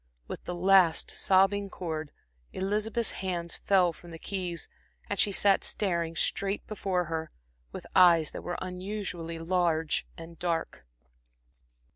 With the last sobbing chord, Elizabeth's hands fell from the keys, and she sat staring straight before her, with eyes that were unusually large and dark.